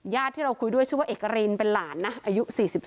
ที่เราคุยด้วยชื่อว่าเอกรินเป็นหลานนะอายุ๔๒